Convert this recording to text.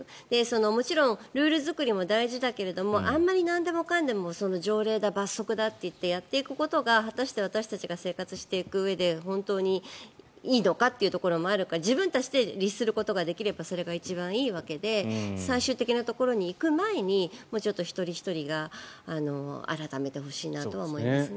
もちろんルール作りも大事だけどあまりなんでもかんでも条例だ、罰則だってやっていくことが、果たして私たちが生活していくうえで本当にいいのかというところもあるから自分たちで律することができればそれが一番いいわけで最終的なところに行く前にもうちょっと一人ひとりが改めてほしいなとは思いますね。